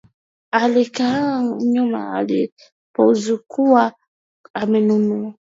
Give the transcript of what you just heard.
Alikaanga nyama alizokuwa amenunua